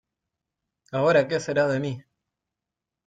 ¡ ahora qué será de mí!...